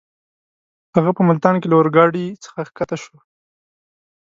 هغه په ملتان کې له اورګاډۍ څخه کښته شو.